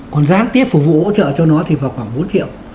còn gián tiếp phục vụ hỗ trợ cho nó thì vào khoảng bốn triệu